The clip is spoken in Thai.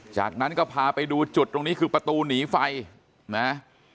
จากนั้นก็พาไปดูจุดตรงนี้คือประตูหนีไฟนะ